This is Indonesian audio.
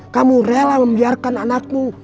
kamu rela membiarkan anakmu